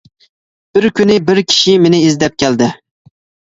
بىر كۈنى بىر كىشى مېنى ئىزدەپ كەلدى.